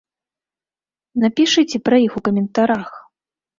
Напішыце пра іх у каментарах!